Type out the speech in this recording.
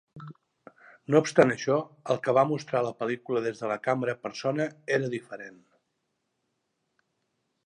No obstant això, el que va mostrar la pel·lícula des de la càmera persona era diferent.